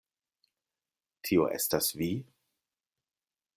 Tio estas vi?